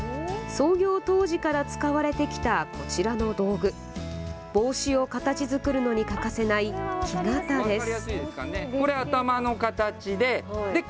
創業当時から使われてきたこちらの道具、帽子を形づくるのに欠かせない木型です。